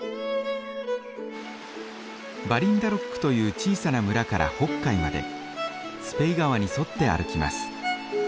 バリンダロックという小さな村から北海までスペイ川に沿って歩きます。